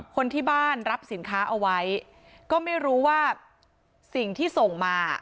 คนที่บ้านรับสินค้าเอาไว้ก็ไม่รู้ว่าสิ่งที่ส่งมา